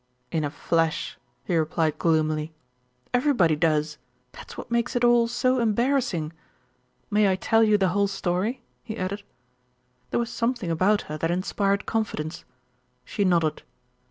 "In a flash," he replied gloomily. "Everybody does. That's what makes it all so embarrassing. May I tell you the whole story?" he added. There was something about her that inspired confidence. She nodded.